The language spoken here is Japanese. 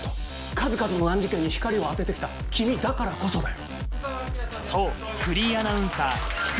数々の難事件に光を当てて来た君だからこそだよ。